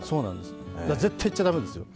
絶対言っちゃ駄目ですよ。